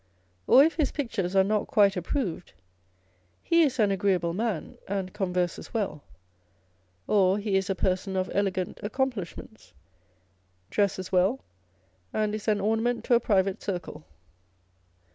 Or if his pictures are not quite approved, he is an agreeable man, and converses well. Or he is a person of elegant accomplishments, dresses well, and is an ornament to a private circle.